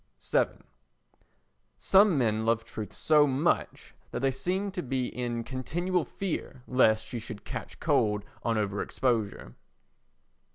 vii Some men love truth so much that they seem to be in continual fear lest she should catch cold on over exposure.